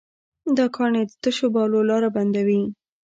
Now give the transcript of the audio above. دا کاڼي د تشو بولو لاره بندوي.